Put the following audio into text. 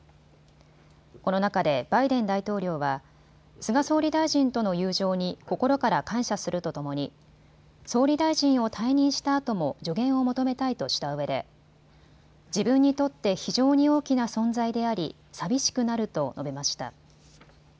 この中でバイデン大統領は菅総理大臣との友情に心から感謝するとともに総理大臣を退任したあとも助言を求めたいとしたうえで自分にとって非常に大きな存在であり寂しくなると述べました。